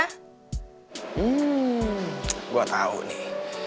hmm gue tau nih